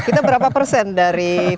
kita berapa persen dari tiga komponen itu ya